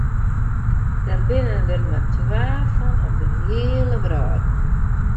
Dêr binne der mar twa fan op de hiele wrâld.